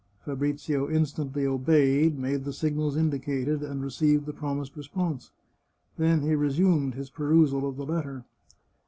Fabrizio instantly obeyed, made the signals indicated^ and received the promised response. Then he resumed his perusal of the letter.